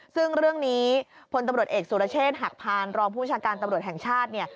ซึ่งเรื่องนี้พลตำรวจเอกสุรเชษฐ์หักพานรองผู้ชาการตำรวจแห่งชาติเนี่ย